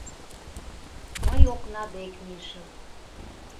Мый окна дек мийышым.